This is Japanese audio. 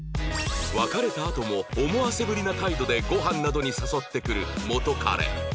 別れたあとも思わせぶりな態度でごはんなどに誘ってくる元カレ